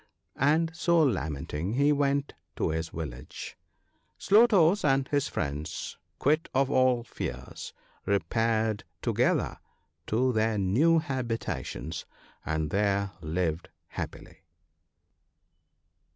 And so lamenting, he went to his village. Slow toes and his friends, quit of all fears, repaired together to their new habitations, and there lived happily.